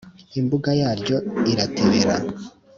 imbuga yaryo iratebera